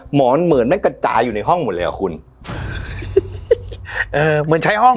หมอนเหมือนแม่งกระจายอยู่ในห้องหมดเลยอ่ะคุณเอ่อเหมือนใช้ห้อง